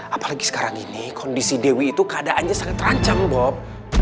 apalagi sekarang ini kondisi dewi itu keadaannya sangat terancam dok